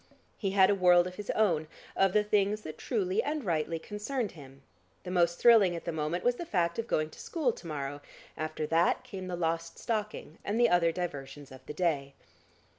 He had a world of his own, of the things that truly and rightly concerned him. The most thrilling at the moment was the fact of going to school to morrow, after that came the lost stocking and the other diversions of the day.